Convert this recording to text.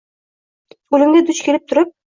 Oʼlimga duch kelmay turib.